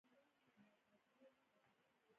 دلته یو جالب کار ته زما پام شو.